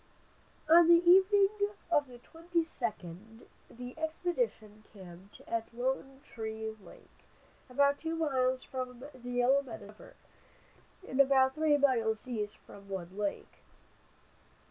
On the evening of the 22d the expedition camped at Lone Tree lake, about two miles from the Yellow Medicine river, and about three miles east from Wood lake.